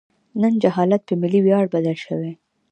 نن جهالت په ملي ویاړ بدل شوی.